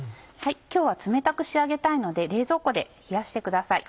今日は冷たく仕上げたいので冷蔵庫で冷やしてください。